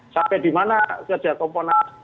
sampai di mana kerja komponas